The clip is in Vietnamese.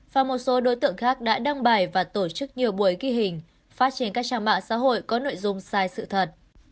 và một số đối tượng khác đã đăng bài và tổ chức nhiều buổi ghi hình phát trên các trang mạng xã hội có nội dung sai sự thật